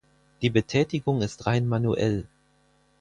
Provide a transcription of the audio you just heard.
Die Betätigung ist rein manuell.